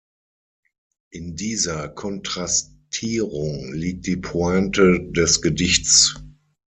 In dieser Kontrastierung liegt die Pointe des Gedichts.